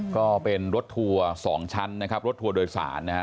ก็เป็นรถทัวร์๒ชั้นนะครับรถทัวร์โดยสารนะฮะ